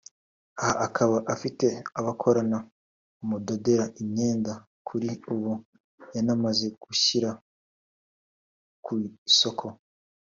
aha akaba afite abo bakorana bamudodera imyenda kuri ubu yanamaze gushyira ku isoko